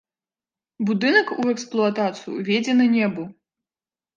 Будынак у эксплуатацыю ўведзены не быў.